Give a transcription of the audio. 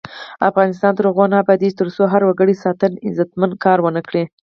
افغانستان تر هغو نه ابادیږي، ترڅو هر وګړی ځانته عزتمن کار ونه لري.